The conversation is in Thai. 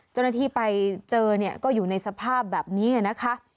เจ้าหน้าที่ไปเจอเนี่ยก็อยู่ในสภาพแบบนี้นะคะ